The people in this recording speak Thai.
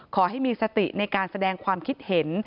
ขอให้มีสติในการแสดงความคิดเห็น